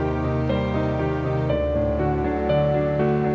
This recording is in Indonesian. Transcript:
menunggu info dari beliau